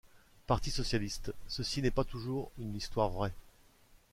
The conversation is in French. parti Socialiste : Ceci n’est toujours pas une histoire vraie.